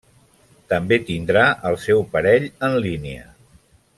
També tindrà el seu parell en línia.